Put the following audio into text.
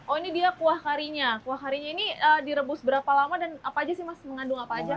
oh ini dia kuah karinya kuah karinya ini direbus berapa lama dan apa aja sih mas mengandung apa aja